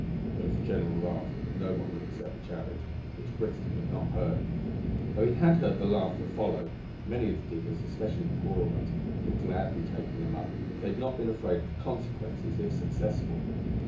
There was a general laugh, but no one would accept the challenge which Brixton had not heard though he heard the laugh that followed. Many of the diggers, especially the poorer ones, would have gladly taken him up if they had not been afraid of the consequences if successful.